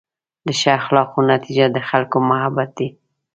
د ښه اخلاقو نتیجه د خلکو محبت دی.